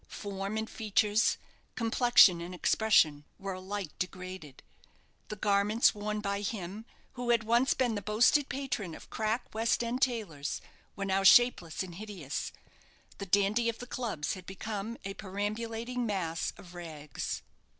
Form and features, complexion and expression, were alike degraded. The garments worn by him, who had once been the boasted patron of crack West end tailors, were now shapeless and hideous. The dandy of the clubs had become a perambulating mass of rags.